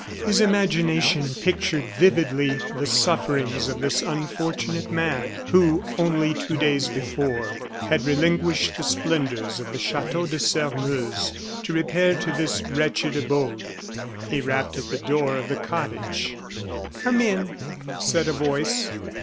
His imagination pictured vividly the sufferings of this unfortunate man, who, only two days before, had relinquished the splendors of the Chateau de Sairmeuse to repair to this wretched abode. He rapped at the door of the cottage. "Come in!" said a voice.